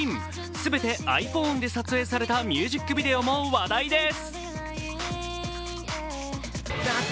全て、ｉＰｈｏｎｅで撮影されたミュージックビデオも話題です。